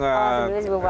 oh sebelumnya sibuk banget